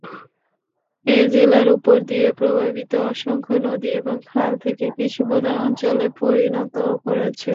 এ জেলার উপর দিয়ে প্রবাহিত অসংখ্য নদী এবং খাল একে কৃষিপ্রধান অঞ্চলে পরিণত করেছে।